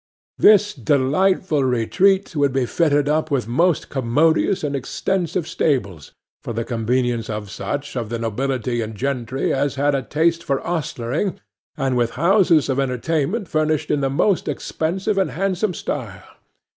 This delightful retreat would be fitted up with most commodious and extensive stables, for the convenience of such of the nobility and gentry as had a taste for ostlering, and with houses of entertainment furnished in the most expensive and handsome style.